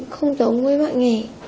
không giống với mạng nghề